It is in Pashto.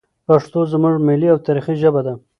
پښتو زموږ ملي او تاریخي ژبه ده.